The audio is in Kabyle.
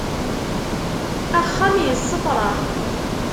Axxam yessefraḥ.